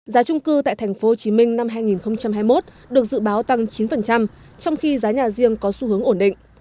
giá trung cư tại tp hcm năm hai nghìn hai mươi một được dự báo tăng chín trong khi giá nhà riêng có xu hướng ổn định